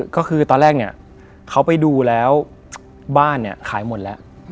ก็คือตอนแรกเนี่ยเขาไปดูแล้วบ้านเนี่ยขายหมดแล้ว